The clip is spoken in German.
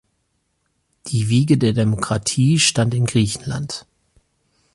Die Wiege der Demokratie stand in Griechenland.